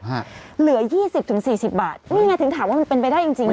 เหลือ๒๐๔๐บาทนี่ไงถึงถามว่ามันเป็นไปได้จริงเหรอ